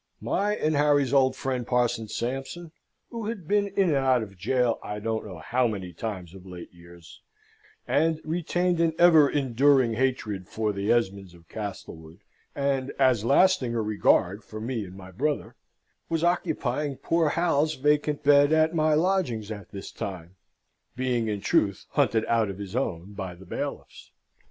My (and Harry's) old friend Parson Sampson, who had been in and out of gaol I don't know how many times of late years, and retained an ever enduring hatred for the Esmonds of Castlewood, and as lasting a regard for me and my brother, was occupying poor Hal's vacant bed at my lodgings at this time (being, in truth, hunted out of his own by the bailiffs).